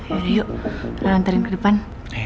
yaudah yuk ra nantarin ke depan